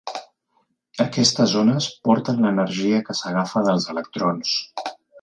Aquestes ones porten l"energia que s"agafa dels electrons.